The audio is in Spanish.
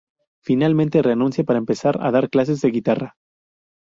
Finalmente renuncia para empezar a dar clases de guitarra.